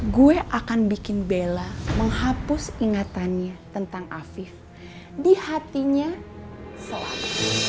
gue akan bikin bel menghapus ingatannya tentang afif di hatinya selama ini